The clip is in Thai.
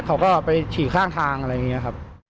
เขาก็ไปฉี่ข้างทางอะไรอย่างนี้ครับ